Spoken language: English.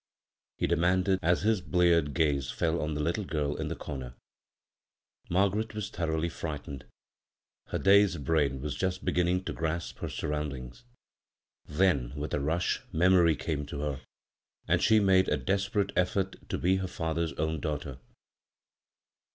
he demanded, as his bleared gaze fell on the little girl in the comer. Margaret was thoroughly frightened. Her dazed brain was just beginning to grasp her surroundings. Then with a rush memory came to her, and she made a desperate effort to be her father's own daughter.